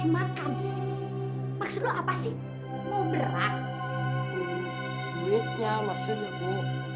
makasih lo apa sih mau beras duitnya masih dulu